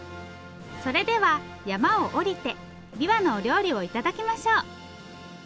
それでは山を下りてびわのお料理を頂きましょう。